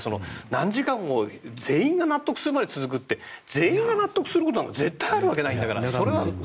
何時間も全員が納得するまで続くって全員が納得することなんか絶対あるわけないんだから。